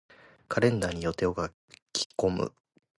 カレンダーに予定を書き込む。